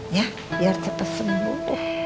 ya biar cepet sembuh